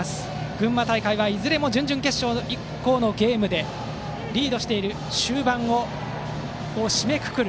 群馬大会はいずれも準々決勝以降のゲームでリードしている終盤を締めくくる